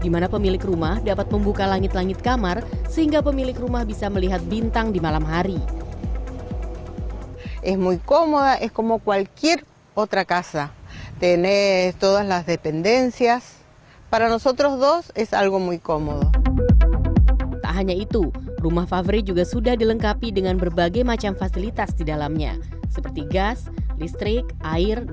saya berpikir saya berpikir saya berpikir